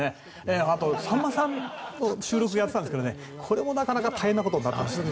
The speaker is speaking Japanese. あと、さんまさんも収録をやっていたんですがこれもなかなか大変なことになっていました。